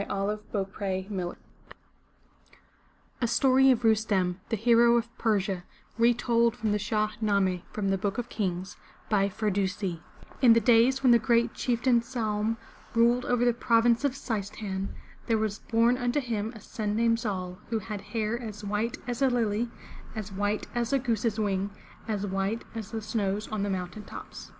435 M Y BOOK HOUSE A STORY OF RUSTEM, THE HERO OF PERSIA Retold from the Shah — Nameh (Book of Kings) by Firdusi |N the days v/hen the great Chieftain Saum ruled over the province of Seis tan', there was born unto him a son named Zal, who had hair as white as a lily, as white as a goose's wing, as white as the snows on the mountain tops.